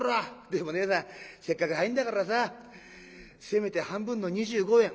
でもねえさんせっかく入んだからさせめて半分の二十五円」。